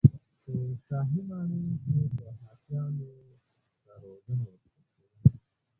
په شاهي ماڼۍ کې به هاتیانو ته روزنه ورکول کېده.